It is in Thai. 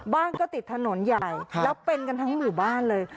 บ้านก็ติดถนนใหญ่แล้วเป็นกันทั้งหมู่บ้านเลย